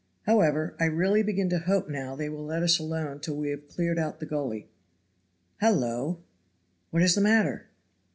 However, I really begin to hope now they will let us alone till we have cleared out the gully. Hallo!" "What is the matter?"